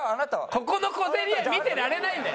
ここの小競り合い見てられないんだよ。